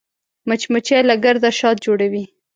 مچمچۍ له ګرده شات جوړوي